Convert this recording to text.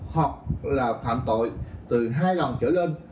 hoặc là phạm tội từ hai lòng trở lên